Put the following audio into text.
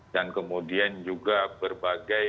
dan kemudian juga berbagai